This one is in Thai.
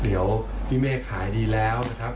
เดี๋ยวพี่เมฆขายดีแล้วนะครับ